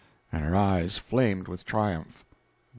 and her eyes flamed with triumph.